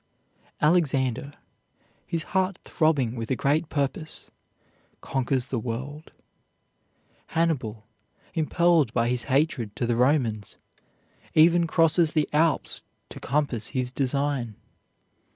Alexander, his heart throbbing with a great purpose, conquers the world; Hannibal, impelled by his hatred to the Romans, even crosses the Alps to compass his design.